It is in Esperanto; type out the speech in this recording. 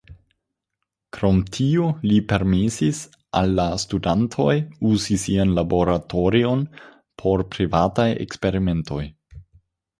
Krom tio, li permesis al la studantoj uzi sian laboratorion por privataj eksperimentoj.